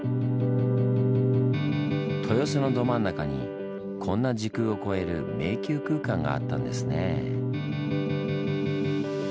豊洲のど真ん中にこんな時空を超える迷宮空間があったんですね。